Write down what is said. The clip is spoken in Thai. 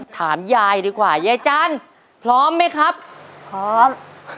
ถามยายดีกว่ายายจันทร์พร้อมไหมครับพร้อม